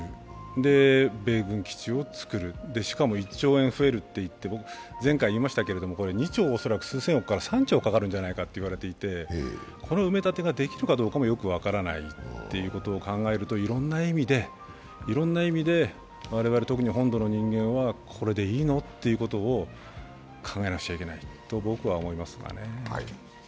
で、米軍基地を作る、しかも１兆円増えるって、僕前回言いましたけど、２兆数千億から３兆かかるんじゃないかと言われていてこの埋め立てができるのかもよく分からないということを考えるといろんな意味で、我々、特に本土の人間はこれでいいの？と考えなくちゃいけないと僕は思いますね。